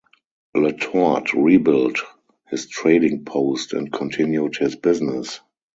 Le Tort rebuilt his trading post and continued his business.